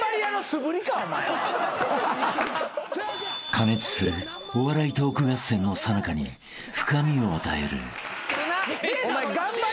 ［加熱するお笑いトーク合戦のさなかに深みを与える］